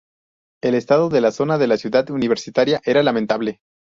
El estado de la zona de la Ciudad Universitaria era lamentable.